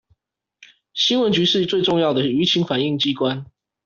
新聞局是最重要的輿情反映機關